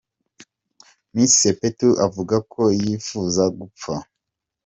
Miss Sepetu avuga ko yifuza gupfa.